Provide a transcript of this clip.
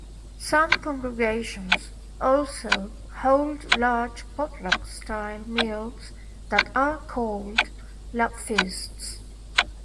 Some congregations also hold large potluck-style meals that are called Lovefeasts.